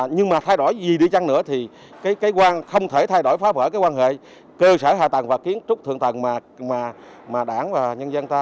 nhưng mà thay đổi gì đi chăng nữa thì cái quan không thể thay đổi phá vỡ cái quan hệ cơ sở hạ tầng và kiến trúc thượng tầng mà đảng và nhân dân ta